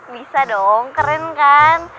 bisa dong keren kan